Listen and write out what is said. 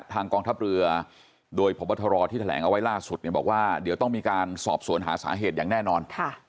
กองทัพเรือโดยพบทรที่แถลงเอาไว้ล่าสุดบอกว่าเดี๋ยวต้องมีการสอบสวนหาสาเหตุอย่างแน่นอน